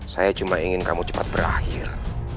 saya cuma ingin kamu cepat berakhir